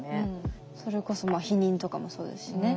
それこそ避妊とかもそうですしね。